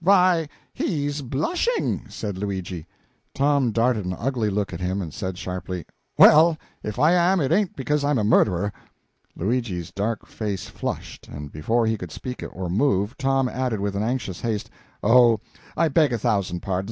"Why, he's blushing!" said Luigi. Tom darted an ugly look at him, and said sharply "Well, if I am, it ain't because I'm a murderer!" Luigi's dark face flushed, but before he could speak or move, Tom added with anxious haste: "Oh, I beg a thousand pardons.